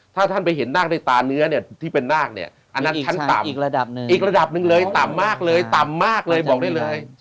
ถ้าท่านไปเห็นหน้าในตาเนื้อเนี่ยที่เป็นหน้าเนี่ยอันนั้นอีกระดับหนึ่งเลยต่ำมากเลยบอกได้เลย